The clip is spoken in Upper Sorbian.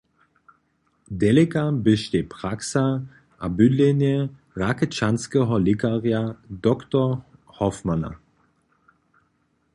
Deleka běštej praksa a bydlenje Rakečanskeho lěkarja, dr. Hoffmanna.